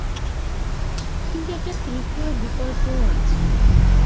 কিন্তু একটা তৃতীয় বিকল্পও আছে।